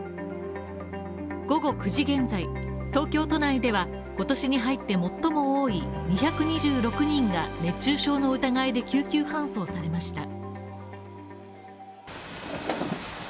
午後９時現在、東京都内では今年に入って最も多い２２６人が熱中症の疑いで救急搬送されました。